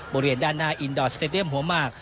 บริเวณด้านหน้าอินดอร์สเตดียมหัวหมาก